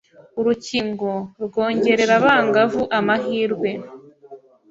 urukingo rwongerera abangavu amahirwe